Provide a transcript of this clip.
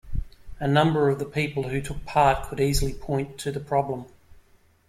A number of the people who took part could easily point to the problem